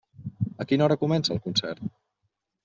A quina hora comença el concert?